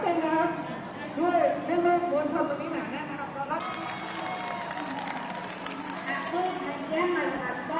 ค่ะโปรโอเคนะครับตื่นครับครับด้วยบิมเบิร์ควนพรขวามีหนาแน่นะครับ